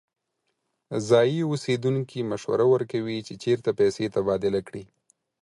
ځایی اوسیدونکی مشوره ورکوي چې چیرته پیسې تبادله کړي.